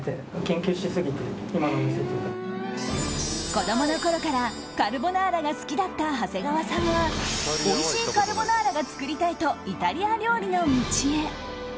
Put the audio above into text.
子供のころからカルボナーラが好きだった長谷川さんはおいしいカルボナーラが作りたいとイタリア料理の道へ。